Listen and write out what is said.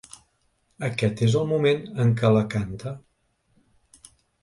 Aquest és el moment en que la canta.